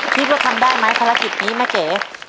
พี่ผู้ชมทำได้ไหมธนาคิดนี้แม่เก๋